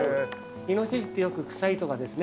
イノシシってよく臭いとかですね